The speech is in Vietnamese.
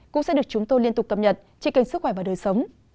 cũng sẽ được chúng tôi liên tục tập nhật trên kênh sức khỏe và đời sống